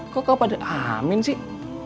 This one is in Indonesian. kok kau pada amin sih